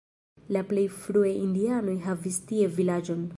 La plej frue indianoj havis tie vilaĝon.